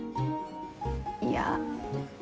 いや。